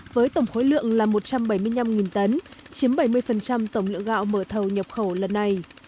với tổng khối lượng là một trăm bảy mươi năm tấn chiếm bảy mươi tổng lượng gạo mở thầu nhập khẩu lần này